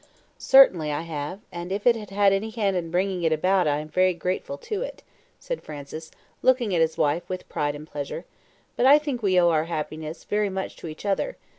"Certainly I have; and if it had any hand in bringing it about I am very grateful to it," said Francis, looking at his wife with pride and pleasure; "but I think we owe our happiness very much to each other.